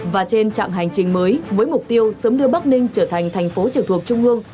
và trên trạng hành trình mới với mục tiêu sớm đưa bắc ninh trở thành thành phố trực thuộc trung ương